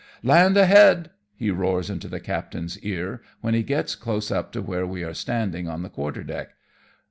" Land ahead !" he roars into the captain's ear, when he gets close up to where we are standing on the quarter deck.